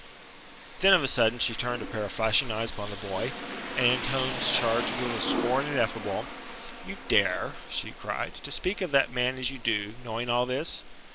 Then of a sudden she turned a pair of flashing eyes upon the boy, and in tones charged with a scorn ineffable: "You dare," she cried, "to speak of that man as you do, knowing all this?